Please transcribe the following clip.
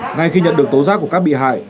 ngay khi nhận được tố giác của các bị hại